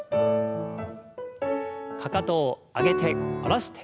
かかとを上げて下ろして上げて。